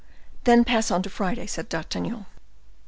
"Then pass on to Friday," said D'Artagnan.